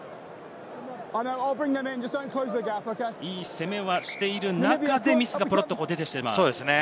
攻めはしている中で、ミスがポロっと出てしまう。